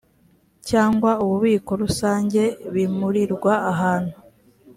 cyangwa ububiko rusange bimurirwa ahantu